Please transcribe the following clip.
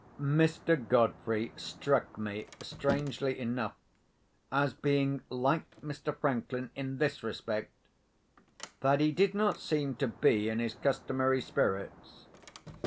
Mr. Godfrey struck me, strangely enough, as being like Mr. Franklin in this respect—that he did not seem to be in his customary spirits.